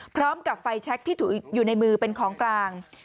พร้อมกับไฟแชคที่ถูกอยู่ในมือเป็นของกลาง